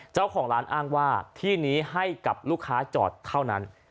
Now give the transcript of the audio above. เจ้าของร้านอ้างว่าที่นี้ให้กับลูกค้าจอดเท่านั้น